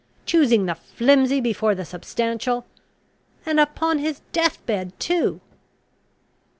choosing the flimsy before the substantial? And upon his death bed too?